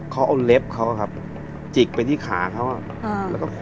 เขาเอาเล็บเขาครับจิกไปที่ขาเขาแล้วก็